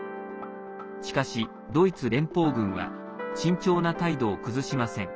しかし、ドイツ連邦軍は慎重な態度を崩しません。